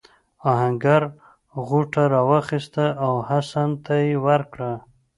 آهنګر غوټه راواخیسته او حسن ته یې ورکړه.